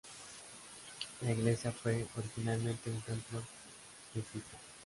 La iglesia fue originalmente un templo jesuita.